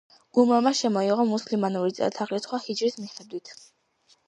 უმარმა შემოიღო მუსლიმანური წელთაღრიცხვა ჰიჯრის მიხედვით.